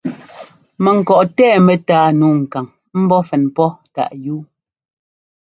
Mɛŋkɔꞌ tɛɛ mɛtáa nǔu kaŋ ḿbɔ́ fɛn pɔ́ táꞌ yúu.